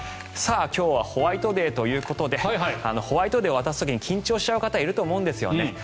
今日はホワイトデーということでホワイトデーを渡す時に緊張しちゃう方がいると思うんですよね。